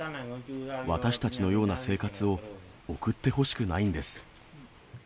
私たちのような生活を送ってほしくないんです。